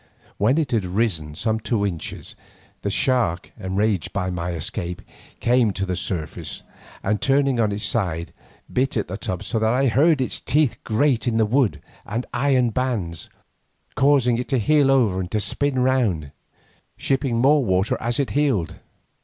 When it had risen some two inches, the shark, enraged at my escape, came to the surface, and turning on its side, bit at the tub so that I heard its teeth grate on the wood and iron bands, causing it to heel over and to spin round, shipping more water as it heeled.